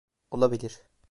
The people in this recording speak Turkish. Olabilir.